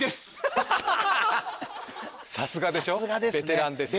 さすがですねベテランですよ